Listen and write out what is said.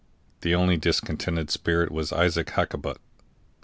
The only discontented spirit was Isaac Hakkabut.